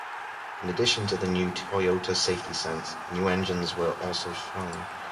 In addition to the new "Toyota Safety Sense", new engines were also shown.